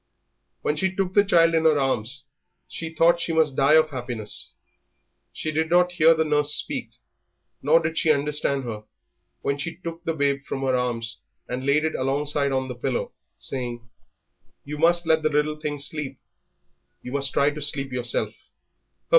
When she took the child in her arms she thought she must die of happiness. She did not hear the nurse speak, nor did she understand her when she took the babe from her arms and laid it alongside on the pillow, saying, "You must let the little thing sleep, you must try to sleep yourself."